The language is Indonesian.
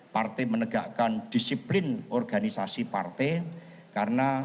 partai menegakkan disiplin organisasi partai karena